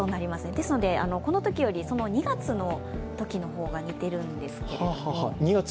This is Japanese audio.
ですので、このときより２月の時のほうが似てるんですけど。